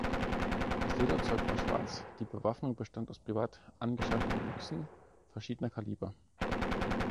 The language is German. Das Lederzeug war schwarz, die Bewaffnung bestand aus privat angeschafften Büchsen verschiedener Kaliber.